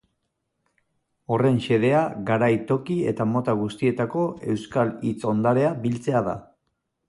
Horren xedea garai, toki eta mota guztietako euskal hitz-ondarea biltzea da.